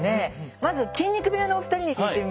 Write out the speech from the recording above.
まず筋肉部屋のお二人に聞いてみましょう。